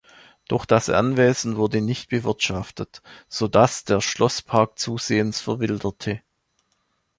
Doch das Anwesen wurde nicht bewirtschaftet, sodass der Schlosspark zusehends verwilderte.